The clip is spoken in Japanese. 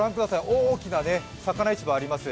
大きな魚市場があります。